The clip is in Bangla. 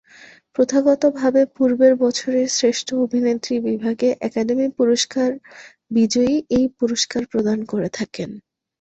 প্রথাগতভাবে পূর্বের বছরের শ্রেষ্ঠ অভিনেত্রী বিভাগে একাডেমি পুরস্কার বিজয়ী এই পুরস্কার প্রদান করে থাকেন।